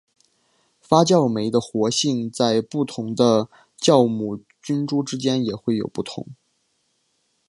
发酵酶的活性在不同的酵母菌株之间也会有不同。